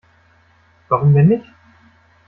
Warum denn nicht?